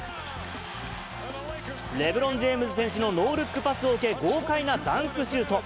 レブロン・ジェームズ選手のノールックパスを受け、豪快なダンクシュート。